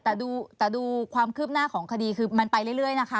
แต่ดูความคืบหน้าของคดีคือมันไปเรื่อยนะคะ